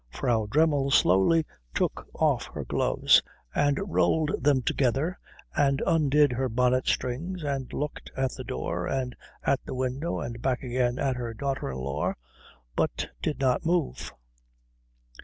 Frau Dremmel slowly took off her gloves and rolled them together, and undid her bonnet strings and looked at the door and at the window and back again at her daughter in law, but did not move.